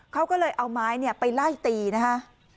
เขาก็เลยเอาไม้ไปไล่ตีนะคะ